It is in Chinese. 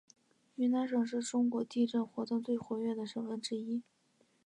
云南省是中国地震活动最活跃的省份之一。